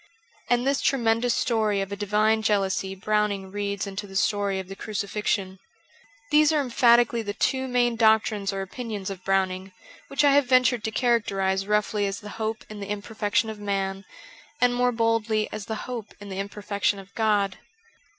And this tremendous story of a divine jealousy Browning reads into the story of the Crucifixion. These are emphatically the two main doctrines or opinions 384 of Browning, which I hare ventured to characterize roughly as the hope in the imperfection of man, and more boldly as the hope in the imperfection of God.